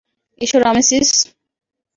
এসো, রামেসিস।